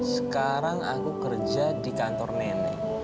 sekarang aku kerja di kantor nenek